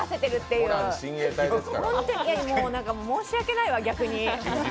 いや、申し訳ないわ、逆に。